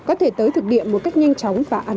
có thể tới thực địa một cách nhanh chóng và an toàn